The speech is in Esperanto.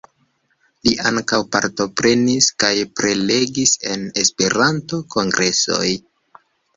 Li ankaŭ partoprenis kaj prelegis en Esperanto-kongresoj.